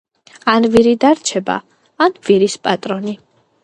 ან ვირი დარჩება, ან ვირის პატრონი.